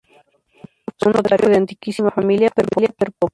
Su padre fue un notario de antiquísima familia, pero pobre.